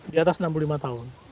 di atas enam puluh lima tahun